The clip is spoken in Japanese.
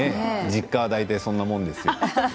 実家は大体そんなもんです。